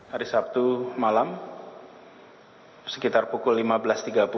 hari sabtu malam sekitar pukul lima belas tiga puluh